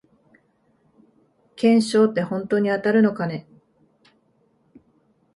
懸賞ってほんとに当たるのかね